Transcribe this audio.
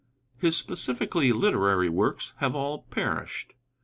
His specifically literary works have all perished.